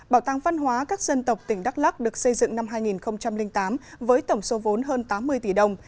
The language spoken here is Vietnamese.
bảo tàng văn hóa các dân tộc tỉnh đắk lắc được xây dựng năm hai nghìn tám với tổng số vốn hơn tám mươi tỷ đồng